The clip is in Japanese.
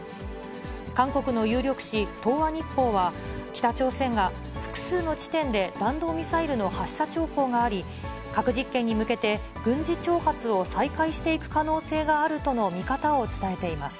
韓国の有力紙、東亜日報は、北朝鮮が、複数の地点で弾道ミサイルの発射兆候があり、核実験に向けて軍事挑発を再開していく可能性があるとの見方を伝えています。